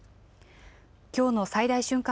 きょうの最大瞬間